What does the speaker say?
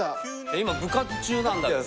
今部活中なんだけど。